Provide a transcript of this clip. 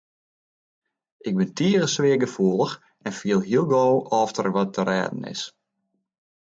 Ik bin tige sfeargefoelich en fiel hiel gau oft der wat te rêden is.